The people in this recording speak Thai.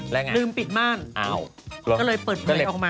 แล้วกันไงอ้าโห